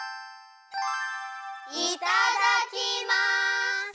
いただきます！